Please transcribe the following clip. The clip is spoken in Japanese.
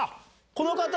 この方！